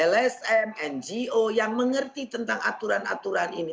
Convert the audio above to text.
lsm ngo yang mengerti tentang aturan aturan ini